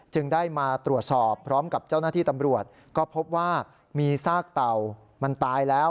จึงได้มาตรวจสอบพร้อมกับเจ้าหน้าที่ตำรวจก็พบว่ามีซากเต่ามันตายแล้ว